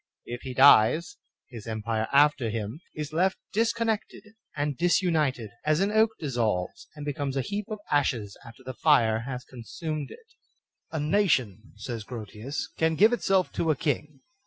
If he dies, his empire after him is left disconnected and dis united, as an oak dissolves and becomes a heap of ashes after the fire has consumed it. A nation, says Grotius, can give itself to a king.